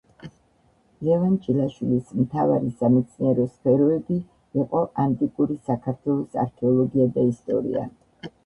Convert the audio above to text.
ლევან ჭილაშვილის მთავარი სამეცნიერო სფეროები იყო ანტიკური საქართველოს არქეოლოგია და ისტორია.